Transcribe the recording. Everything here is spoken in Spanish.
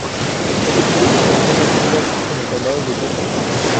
El distrito gestiona escuelas en el Condado de Jefferson.